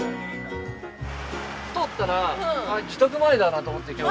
通ったら「あっ自宅前だ」なんて思って今日。